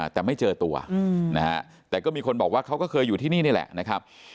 แต่ไม่เจอตัวนะฮะแต่ก็มีคนบอกว่าเขาก็เคยอยู่ที่นี่นี่แหละนะครับ